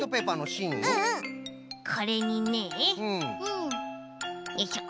これにねよいしょ